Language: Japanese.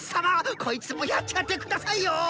こいつもやっちゃって下さいよぉ！